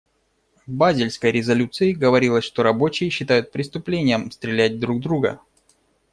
В базельской резолюции говорилось, что рабочие считают преступлением стрелять друг в друга.